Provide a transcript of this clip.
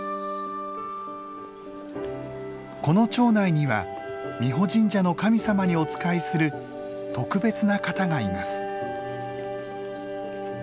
この町内には美保神社の神様にお仕えする特別な方がいます。